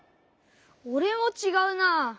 おれもちがうなあ。